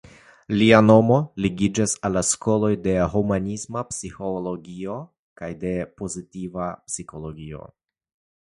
Lia nomo ligiĝas al la skoloj de humanisma psikologio kaj de pozitiva psikologio.